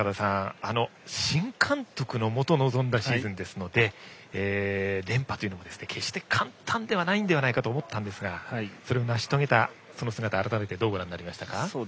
新監督のもと臨んだシーズンですので連覇というのも、決して簡単ではないのではと思ったんですがそれを成し遂げた姿改めてどうでしたか。